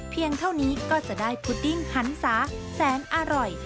เท่านี้ก็จะได้พุดดิ้งหันศาแสนอร่อย